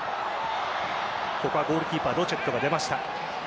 ここはゴールキーパーロチェットが出ました。